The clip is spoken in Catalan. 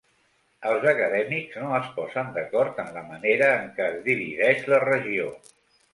Els acadèmics no es posen d'acord en la manera en què es divideix la regió.